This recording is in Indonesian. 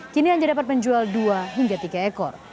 kini hanya dapat menjual dua hingga tiga ekor